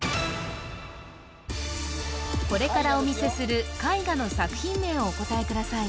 これからお見せする絵画の作品名をお答えください